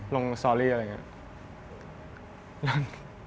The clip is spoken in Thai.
สตอรี่อะไรอย่างนี้